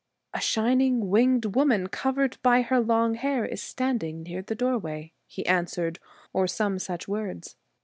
' A shining, winged woman, cov ered by her long hair, is standing near the doorway,' he answered, or some such words.